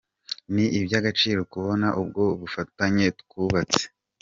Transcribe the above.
Ni iby’agaciro kubona ubwo bufatanye twubatse.